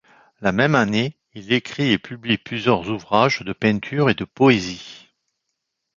La même année, il écrit et publie plusieurs ouvrages de peinture et de poésie.